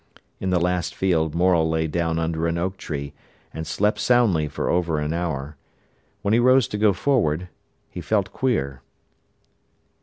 In the last field Morel lay down under an oak tree and slept soundly for over an hour. When he rose to go forward he felt queer.